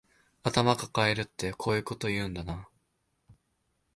頭かかえるってこういうこと言うんだな